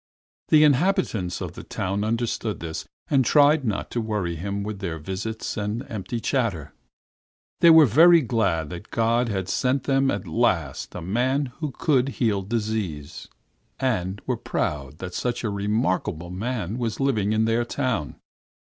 The inhabitants of the town understood this, and tried not to worry him with their visits and empty chatter. They were very glad that God had sent them at last a man who could heal diseases, and were proud that such a remarkable man was living in their town.